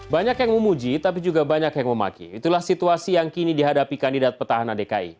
banyak yang memuji tapi juga banyak yang memaki itulah situasi yang kini dihadapi kandidat petahana dki